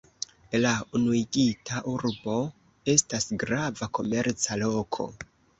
La unuigita urbo estas grava komerca loko.